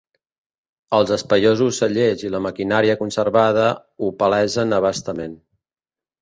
Els espaiosos cellers i la maquinària conservada ho palesen a bastament.